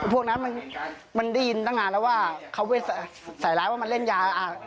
พวกนั้นมันได้ยินตั้งนานแล้วว่าเขาไปใส่ร้ายว่ามันเล่นยา